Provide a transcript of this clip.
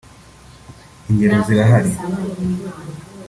Ingero zirahari